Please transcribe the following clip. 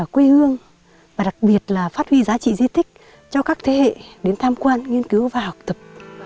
quê hương và đặc biệt là phát huy giá trị di tích cho các thế hệ đến tham quan nghiên cứu và học tập